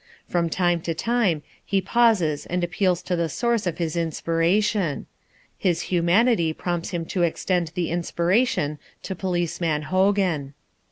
From time to time he pauses and appeals to the source of his inspiration; his humanity prompts him to extend the inspiration to Policeman Hogan.